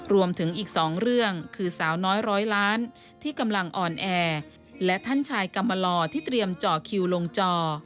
รวมถึงอีก๒เรื่องคือสาวน้อยร้อยล้านที่กำลังอ่อนแอและท่านชายกรรมลอที่เตรียมเจาะคิวลงจอ